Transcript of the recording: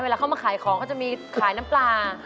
เข้ามาขายของเขาจะมีขายน้ำปลา